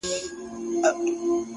ستا له تصويره سره ـ